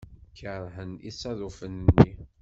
Keṛhen isaḍufen-nni.